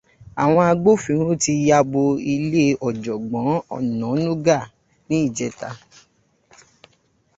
Àwọn agbófinró ti ya bo ilé Ọ̀jọ̀gbọ́n Ọnànúgà ní ìjẹta.